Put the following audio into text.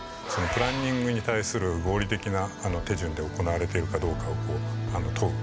プランニングに対する合理的な手順で行われているかどうかを問う。